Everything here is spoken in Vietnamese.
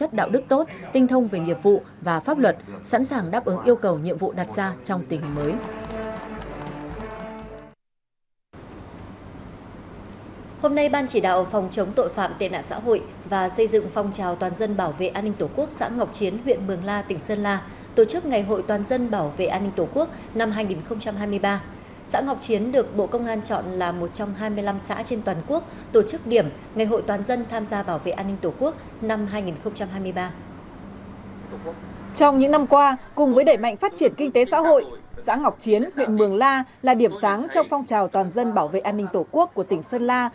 trong những năm qua cùng với đẩy mạnh phát triển kinh tế xã hội xã ngọc chiến huyện mường la là điểm sáng trong phong trào toàn dân bảo vệ an ninh tổ quốc của tỉnh sơn la